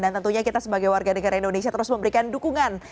dan tentunya kita sebagai warga negara indonesia terus memberikan dukungan